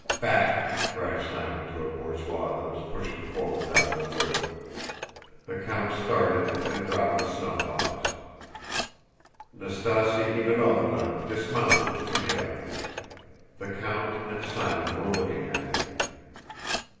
"Back!" cried Simon to a borzoi that was pushing forward out of the wood. The count started and dropped the snuffbox. Nastásya Ivánovna dismounted to pick it up. The count and Simon were looking at him.